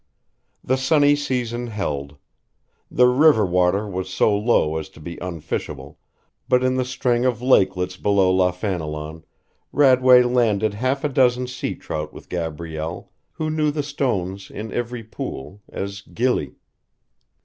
The sunny season held. The river water was so low as to be unfishable, but in the string of lakelets below Loughannilaun Radway landed half a dozen sea trout with Gabrielle, who knew the stones in every pool, as ghillie.